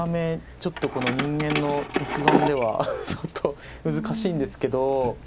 ちょっとこの人間の肉眼では相当難しいんですけど。